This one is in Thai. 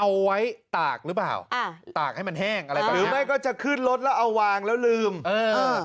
เอาไว้ตากหรือเปล่าอ่าตากให้มันแห้งอะไรประมาณหรือไม่ก็จะขึ้นรถแล้วเอาวางแล้วลืมเออเออ